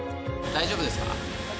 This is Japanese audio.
大丈夫ですか？